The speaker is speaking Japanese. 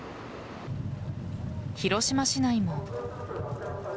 広島市内も。